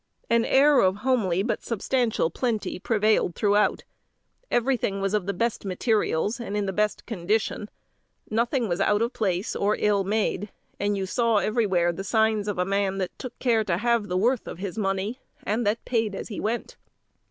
An air of homely but substantial plenty prevailed throughout; everything was of the best materials, and in the best condition. Nothing was out of place, or ill made; and you saw everywhere the signs of a man that took care to have the worth of his money, and that paid as he went.